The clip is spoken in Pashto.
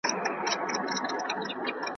تازه ګلونه د باغوان له لاسه ورژېدل ,